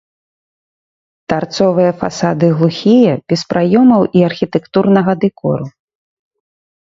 Тарцовыя фасады глухія, без праёмаў і архітэктурнага дэкору.